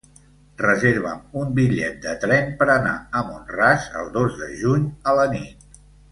Reserva'm un bitllet de tren per anar a Mont-ras el dos de juny a la nit.